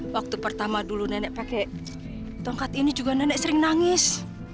waktu pertama dulu nenek pakai tongkat ini juga nenek sering nangis